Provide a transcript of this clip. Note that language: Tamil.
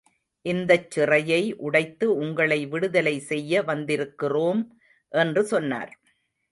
இந்தச் சிறையை உடைத்து உங்களை விடுதலை செய்ய வந்திருக்கிறோம் என்று சொன்னார்.